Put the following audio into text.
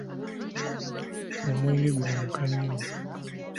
Omwenge guno muka nnyo.